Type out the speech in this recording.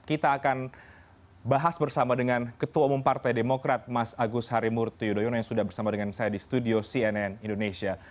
kita akan bahas bersama dengan ketua umum partai demokrat mas agus harimurti yudhoyono yang sudah bersama dengan saya di studio cnn indonesia